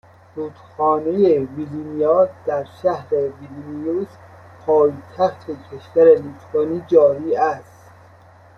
رودخانه ویلینیا در شهر ویلنیوس پایتخت کشور لیتوانی جاری است